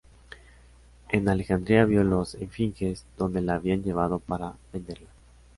En Alejandría vio las esfinges, donde las habían llevado para venderlas.